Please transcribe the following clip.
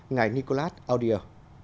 ngài nicolas audier